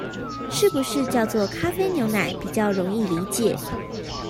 是不是叫做「咖啡牛奶」比較容易理解